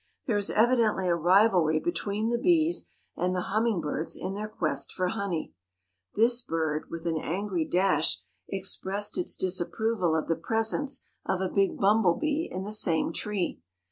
There is evidently a rivalry between the bees and the hummingbirds in their quest for honey. This bird, with an angry dash, expressed its disapproval of the presence of a big bumblebee in the same tree.